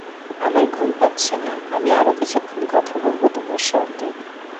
আমার ঘুম পাচ্ছে না, আমি আরো কিছুক্ষণ কথা বলব তোমার সঙ্গে।